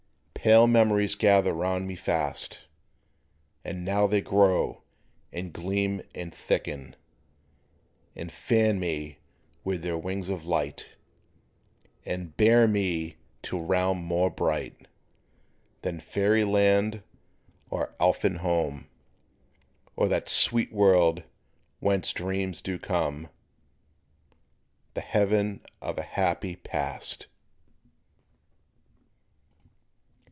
Pale memories gather round me fast, And now they grow, and gleam, and thicken, And fan me with their wings of light, And bear me to a realm more bright Than fairy land or elfin home, Or that sweet world whence dreams do come The heaven of a happy Past!